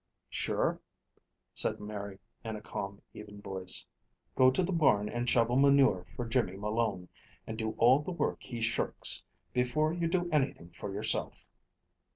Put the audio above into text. "Sure!" said Mary, in a calm, even voice. "Go to the barn, and shovel manure for Jimmy Malone, and do all the work he shirks, before you do anything for yoursilf."